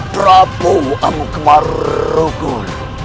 kerajaan amuk merukuk